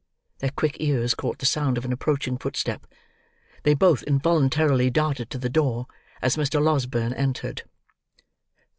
Their quick ears caught the sound of an approaching footstep. They both involuntarily darted to the door, as Mr. Losberne entered.